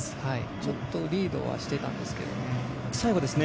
ちょっとリードはしていてたんですけどね。